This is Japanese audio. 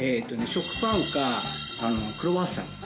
食パンかクロワッサン。